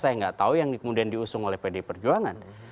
saya nggak tahu yang kemudian diusung oleh pd perjuangan